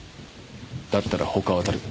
だったら他を当たる。